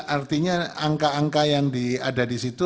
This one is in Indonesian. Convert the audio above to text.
artinya angka angka yang ada di situ